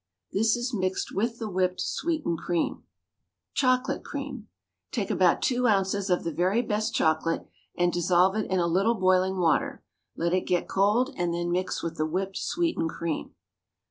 This is mixed with the whipped sweetened cream. CHOCOLATE CREAM. Take about two ounces of the very best chocolate and dissolve it in a little boiling water; let it get cold, and then mix with the whipped sweetened cream.